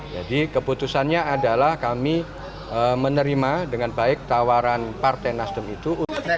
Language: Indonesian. jadi keputusannya adalah kami menerima dengan baik tawaran partai nasdem itu